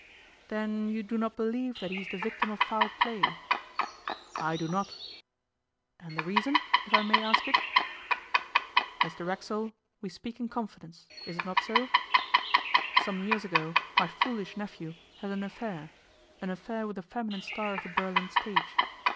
'Then you do not believe that he is the victim of foul play?' 'I do not.' 'And the reason, if I may ask it?' 'Mr Racksole, we speak in confidence is it not so? Some years ago my foolish nephew had an affair an affair with a feminine star of the Berlin stage.